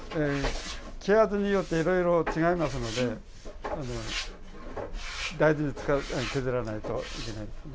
木によっていろいろ違いますので大事に削らないといけないですね。